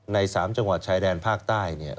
ใน๓จังหวัดชายแดนภาคใต้